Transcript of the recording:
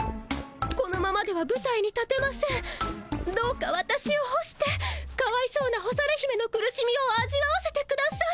このままではぶたいに立てません、どうかわたしを干してかわいそうな干され姫の苦しみを味わわせてください。